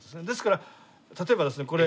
ですから例えばですね